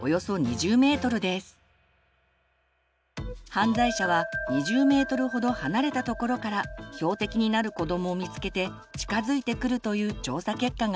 犯罪者は２０ｍほど離れたところから標的になる子どもを見つけて近づいてくるという調査結果があります。